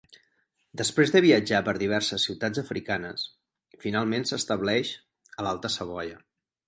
Després de viatjar per diverses ciutats africanes, finalment s'estableix a l'Alta Savoia.